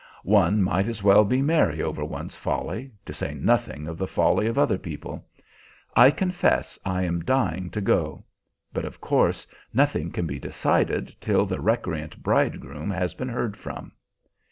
One might as well be merry over one's folly, to say nothing of the folly of other people. I confess I am dying to go; but of course nothing can be decided till the recreant bridegroom has been heard from.